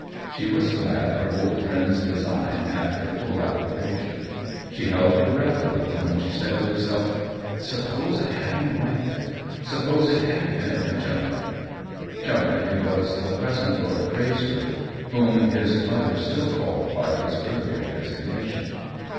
She was glad her old friend's design had her full approbation ^ she held her breath a little when she said to herself :" Suppose I hadn't liked it — suppose it had been for Chumleigh !" Chumleigh was the present Lord Greyswood, whom his mother still called by his earlier designation.